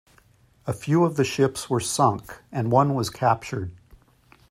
A few of the ships were sunk, and one was captured.